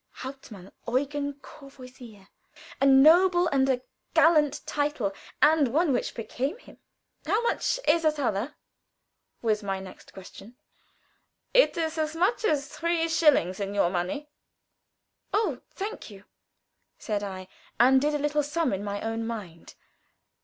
Hauptmann Eugen Courvoisier a noble and a gallant title, and one which became him. "How much is a thaler?" was my next question. "It is as much as three shillings in your money." "Oh, thank you," said I, and did a little sum in my own mind.